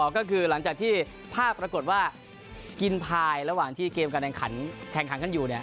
ก็คือหลังจากที่ภาพปรากฏว่ากินพายระหว่างที่เกมแข่งขันขันอยู่เนี่ย